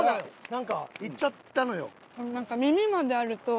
何かいっちゃったのよ。